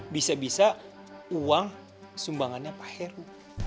bisa bisa uang sumbangannya pak heru